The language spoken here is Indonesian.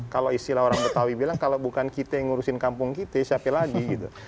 kalau istilah orang betawi bilang kalau bukan kita yang ngurusin kampung kita siapa lagi gitu